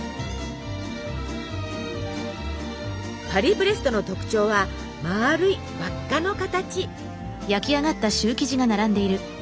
パリブレストの特徴はまるい輪っかの形。